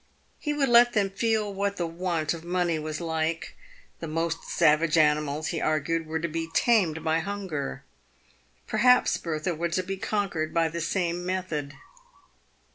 He would let them feel what the want of money was like. The most savage animals, he argued, were to be tamed by hunger. Perhaps Bertha was to be conquered by the same method.